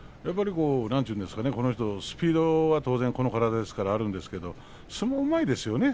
この人はスピードが当然この体ですからあるんですけど相撲がうまいですよね。